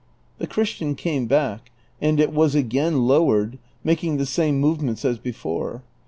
The Christian came back, and it was again lowered, makino the same movements as before.